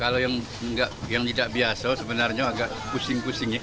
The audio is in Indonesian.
kalau yang tidak biasa sebenarnya agak pusing pusing ya